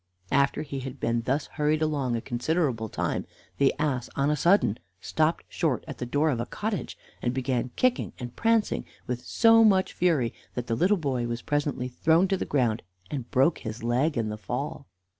After he had been thus hurried along a considerable time the ass on a sudden stopped short at the door of a cottage, and began kicking and prancing with so much fury that the little boy was presently thrown to the ground, and broke his leg in the fall.